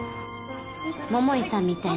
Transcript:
桃井さんみたいな